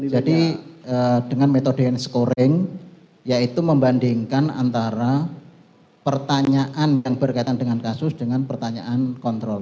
jadi dengan metode scoring yaitu membandingkan antara pertanyaan yang berkaitan dengan kasus dengan pertanyaan kontrol